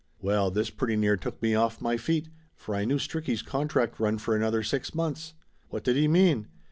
Well, this pretty near took me off my feet, for I knew Stricky's contract run for another six months. What did he mean